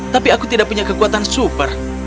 tapi aku tidak punya kekuatan super